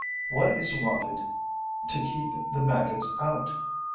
What is wanted to keep the maggots out?